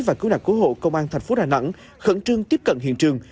và cứu nạn cứu hộ công an tp đà nẵng khẩn trương tiếp cận hiện trường